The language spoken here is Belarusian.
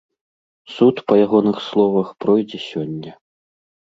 Суд, па ягоных словах, пройдзе сёння.